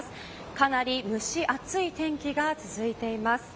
かなり蒸し暑い天気が続いています。